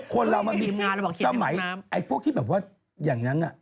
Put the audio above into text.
คนเรามันมีสมัยไอ้พวกที่แบบว่าอย่างนั้น